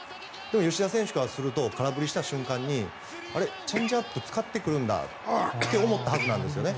吉田選手からすると空振りした瞬間にチェンジアップ使ってくるんだと思ったはずなんですね。